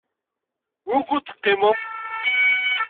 Wukud teqqimemt?